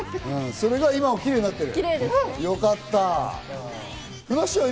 それが今、キレイになってる？